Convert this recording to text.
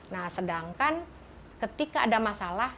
nah sedangkan ketika ada masalah